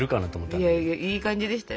いやいやいい感じでしたよ。